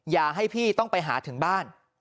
อย่าให้พี่ต้องไปหาถึงบ้าน